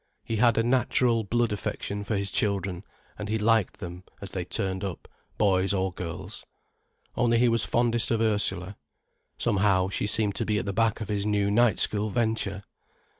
He had a natural blood affection for his children, and he liked them as they turned up: boys or girls. Only he was fondest of Ursula. Somehow, she seemed to be at the back of his new night school venture.